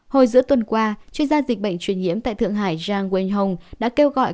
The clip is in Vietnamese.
hồi giữa tuần qua chuyên gia dịch bệnh truyền nhiễm tại thượng hải zhang wenhong đã kêu gọi